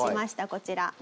こちら。